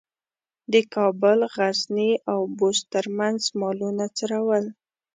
د کابل، غزني او بُست ترمنځ مالونه څرول.